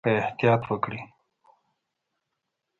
که احتیاط وکړئ